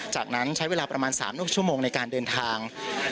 จากนั้นใช้เวลาประมาณ๓นกชั่วโมงในการเดินทาง